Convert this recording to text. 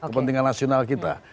kepentingan nasional kita